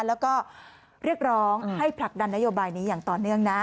แล้วก็เรียกร้องให้ผลักดันนโยบายนี้อย่างต่อเนื่องนะ